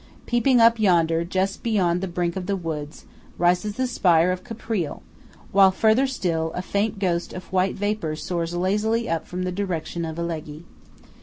Peeping up yonder, just beyond the brink of the woods, rises the spire of Caprile; while, further still, a faint ghost of white vapour soars lazily up from the direction of Alleghe.